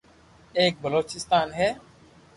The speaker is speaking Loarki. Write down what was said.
ايڪ بلوچستان ھي